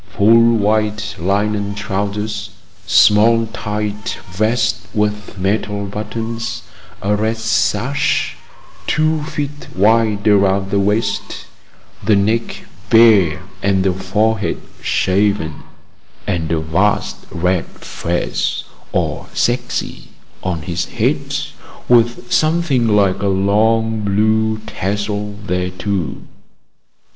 Full white linen trousers, small tight vest with metal buttons, a red sash two feet wide around the waist, the neck bare and the forehead shaven, and a vast red fez, or chechia, on his head, with something like a long blue tassel thereto.